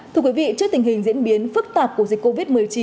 thưa quý vị trước tình hình diễn biến phức tạp của dịch covid một mươi chín